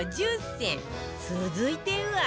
続いては